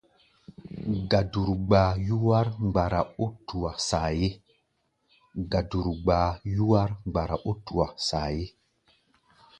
Gaduru gbaa yúwár mgbara ó tuá saayé.